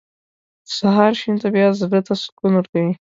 • د سهار شین طبیعت زړه ته سکون ورکوي.